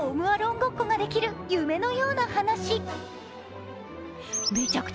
ごっこができる夢のような話。